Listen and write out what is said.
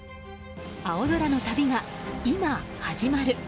青空の旅が今、始まる。